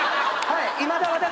はい。